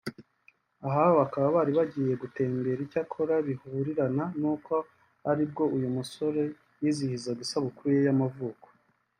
aha bakaba bari bagiye gutembera icyakora bihurirana n'uko ari bwo uyu musore yizihizaga isabukuru ye y’amavuko